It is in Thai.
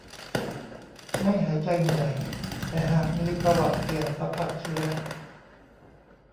ไม่หายใจเหนื่อย แต่หากมีประวัติเสี่ยงสัมผัสเชื้อ